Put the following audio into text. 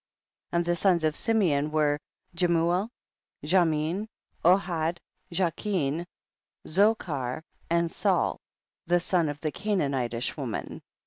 8. And the sons of Simeon were Jemuel, Jamin, Ohad, Jachin, Zochar and Saul, the son of the Canaanitish woman.